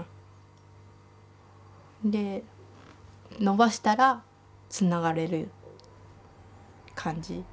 で伸ばしたらつながれる感じ。